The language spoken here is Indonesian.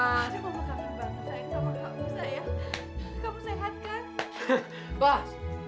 aduh kamu kaki banget sayang kamu nggak usah ya kamu sehat kan